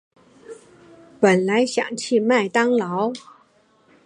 本来想去麦当劳